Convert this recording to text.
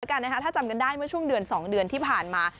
เดี๋ยวกันถ้าจำจำได้เมื่อช่วงเดือน๒เดือนที่ผ่านมา